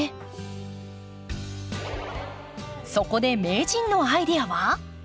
そこで名人のアイデアは？